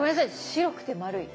白くて丸い。